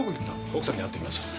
奥さんに会ってきます